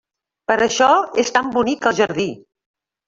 Per això és tan bonic el jardí!